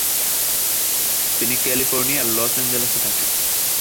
তিনি ক্যালিফোর্নিয়ার লস অ্যাঞ্জেলেসে থাকেন।